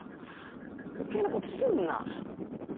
余計なことすんな！